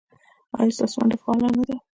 ایا ستاسو ونډه فعاله نه ده؟